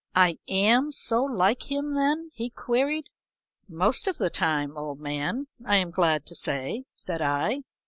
"I am so like him then?" he queried. "Most of the time, old man, I am glad to say," said I.